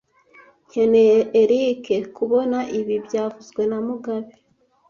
Nkeneye Eric kubona ibi byavuzwe na mugabe